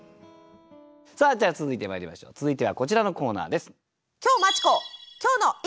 さあでは続いてまいりましょう続いてはこちらのコーナーです。